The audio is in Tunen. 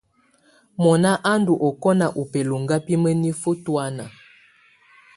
Mɔna a ndù ɔkɔna u bɛlɔŋga bi mǝnifǝ tɔ̀ána.